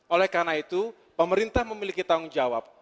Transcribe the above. oleh karena itu pemerintah memiliki tanggung jawab